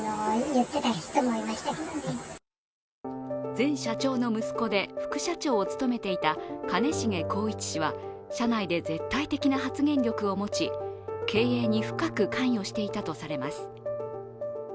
前社長の息子で副社長を務めていた兼重宏一氏は社内で絶対的な発言力を持ち、経営に深く関与していたとされます。